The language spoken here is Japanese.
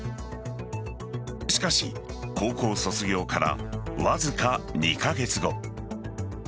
しかし、高校卒業からわずか２カ月後。